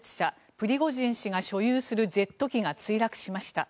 プリゴジン氏が所有するジェット機が墜落しました。